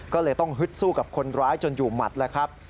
ก็เลยต้องฮึดสู้กับคนร้ายจนอยู่หมัดแล้วครับ